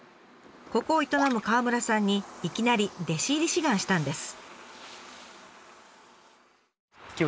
ここを営む川村さんにいきなり弟子入り志願したんです。